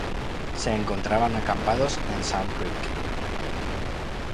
Se encontraban acampados en Sand Creek.